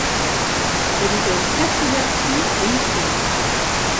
Elle lui donne quatre garçons et une fille.